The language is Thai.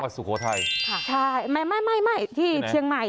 นี่จังหวัดสุโขทัยใช่ไม่ที่เชียงใหม่